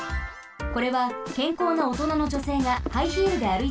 これはけんこうなおとなのじょせいがハイヒールで歩いた速さです。